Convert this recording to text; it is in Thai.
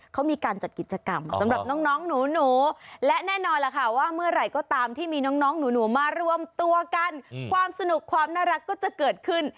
เขามีการจัดกิจกรรมสำหรับน้องหนูและแน่นอนล่ะค่ะว่าเมื่อไหร่ก็ตามที่มีน้องหนูมารวมตัวกันความสนุกความน่ารักก็จะเกิดขึ้น